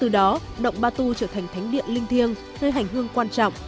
từ đó động batu trở thành thánh điện linh thiêng nơi hành hương quan trọng